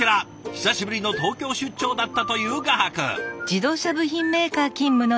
久しぶりの東京出張だったという画伯。